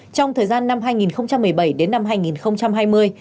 trong thời gian năm hai nghìn một mươi bảy đến năm hai nghìn hai mươi